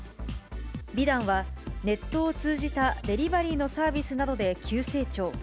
美団は、ネットを通じたデリバリーのサービスなどで急成長。